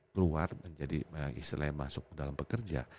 keluar menjadi istilahnya masuk ke dalam pekerja